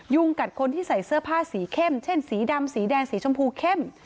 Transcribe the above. กัดคนที่ใส่เสื้อผ้าสีเข้มเช่นสีดำสีแดงสีชมพูเข้ม